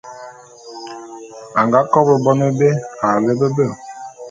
A nga kobô bone bé a lepe be.